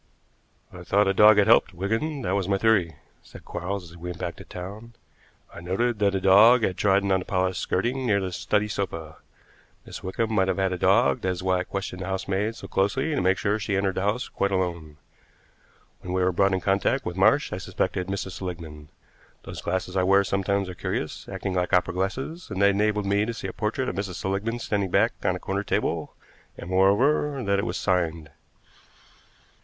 "I thought a dog had helped, Wigan; that was my theory," said Quarles as we went back to town. "I noted that a dog had trodden on the polished skirting near the study sofa. Miss Wickham might have had a dog, that is why I questioned the housemaid so closely to make sure she entered the house quite alone. When we were brought in contact with Marsh I suspected Mrs. Seligmann. Those glasses I wear sometimes are curious, acting like opera glasses, and they enabled me to see a portrait of Mrs. Seligmann standing back on a corner table, and, moreover, that it was signed.